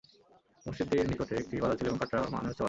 মসজিদটির নিকটে একটি বাজার ছিল এবং কাটরা মানে হচ্ছে বাজার।